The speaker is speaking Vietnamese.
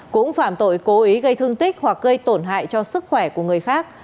cũng phạm tội cố ý gây thương tích hoặc gây tổn hại cho sức khỏe của người khác